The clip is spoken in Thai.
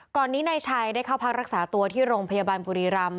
นี้นายชัยได้เข้าพักรักษาตัวที่โรงพยาบาลบุรีรำ